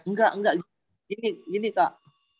enggak enggak gini kak